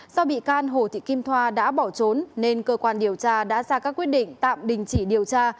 do bị can hồ thị kim thoa đã bỏ trốn nên cơ quan điều tra đã ra các quyết định tạm đình chỉ điều tra